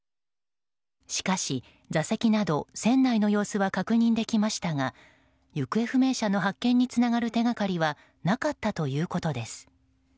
しかし、座席など船内の様子は確認できましたが行方不明者の発見につながる手がかりはなかったということです。